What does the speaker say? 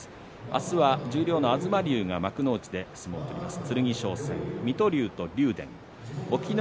明日は十両の東龍が幕内で相撲を取ります。